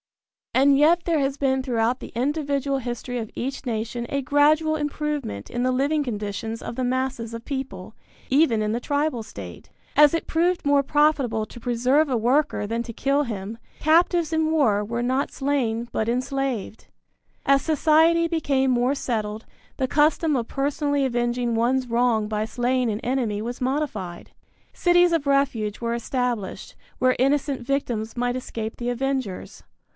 And yet there has been throughout the individual history of each nation a gradual improvement in the living conditions of the masses of people, even in the tribal state. As it proved more profitable to preserve a worker than to kill him, captives in war were not slain, but enslaved. As society became more settled, the custom of personally avenging one's wrong by slaying an enemy was modified. Cities of refuge were established, where innocent victims might escape the avengers.